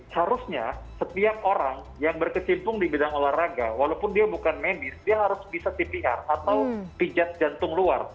harusnya setiap orang yang berkecimpung di bidang olahraga walaupun dia bukan medis dia harus bisa cpr atau pijat jantung luar